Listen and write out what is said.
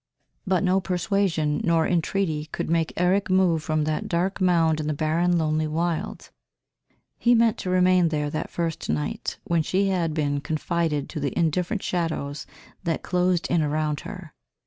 But no persuasion nor entreaty could make Eric move from that dark mound in the barren lonely wild; he meant to remain there that first night when she had been confided to the indifferent shadows that closed in around her.